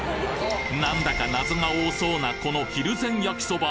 なんだか謎が多そうなこのひるぜん焼そば。